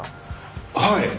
はい。